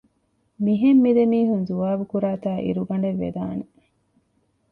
މިހެން މި ދެމީހުން ޒުވާބުކުރާތާ އިރުގަނޑެއް ވެދާނެ